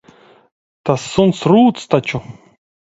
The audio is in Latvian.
Tas suns rūc taču.